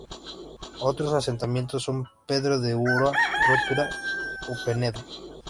Otros asentamientos son Pedra de Ouro, Rotura o Penedo.